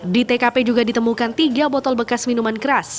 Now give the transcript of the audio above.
di tkp juga ditemukan tiga botol bekas minuman keras